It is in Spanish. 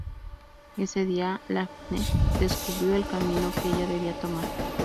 Ese día, Lavigne descubrió el camino que ella debía tomar.